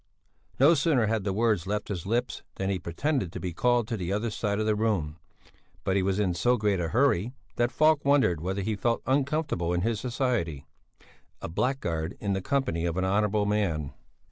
No sooner had the words left his lips than he pretended to be called to the other side of the room; but he was in so great a hurry that Falk wondered whether he felt uncomfortable in his society? A blackguard in the company of an honourable man!